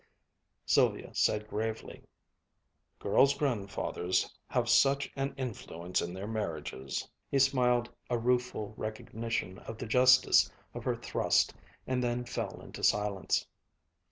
Sylvia said gravely, "Girls' grandfathers have such an influence in their marriages." He smiled a rueful recognition of the justice of her thrust and then fell into silence.